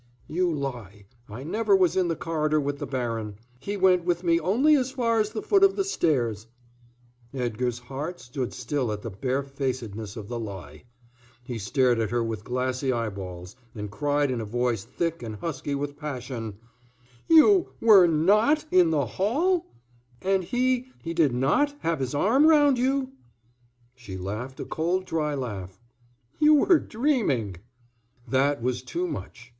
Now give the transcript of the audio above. "You lie. I never was in the corridor with the baron. He went with me only as far as the foot of the stairs " Edgar's heart stood still at the barefacedness of the lie. He stared at her with glassy eyeballs, and cried in a voice thick and husky with passion: "You were not in the hall? And he he did not have his arm round you?" She laughed a cold, dry laugh. "You were dreaming." That was too much.